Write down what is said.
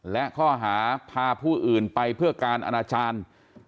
และข้อหาพาผู้อื่นไปเพื่อการอนาจารย์